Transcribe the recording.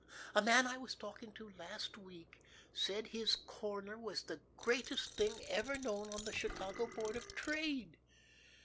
A man I was talking to last week said his corner was the greatest thing ever known on the Chicago Board of Trade.